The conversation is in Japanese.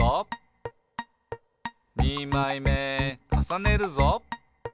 「にまいめかさねるぞ！」